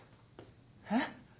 えっ？